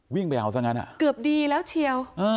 วิ่งไปเอาซะงั้นเกือบดีแล้วเชียว